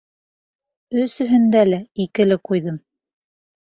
Өсөһөндә лә «икеле» ҡуйҙым.